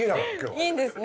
いいんですね？